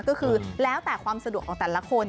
ก็คือแล้วแต่ความสะดวกของแต่ละคน